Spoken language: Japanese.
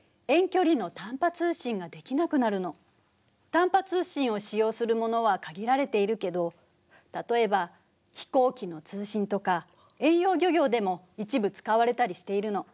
短波通信を使用するものは限られているけど例えば飛行機の通信とか遠洋漁業でも一部使われたりしているの。